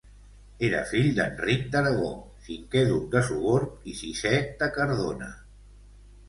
Era fill d'Enric d'Aragó, cinquè duc de Sogorb i sisè de Cardona.